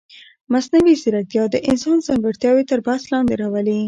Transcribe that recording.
مصنوعي ځیرکتیا د انسان ځانګړتیاوې تر بحث لاندې راولي.